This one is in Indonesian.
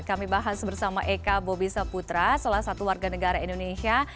kami bahas bersama eka bobi saputra salah satu warga negara indonesia